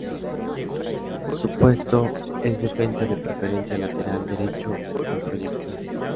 Su puesto es defensa de preferencia lateral derecho con proyección.